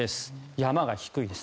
山が低いです。